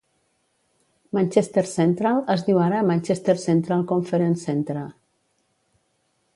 Manchester Central es diu ara Manchester Central Conference Centre.